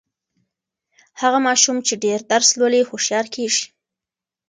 هغه ماشوم چې ډېر درس لولي، هوښیار کیږي.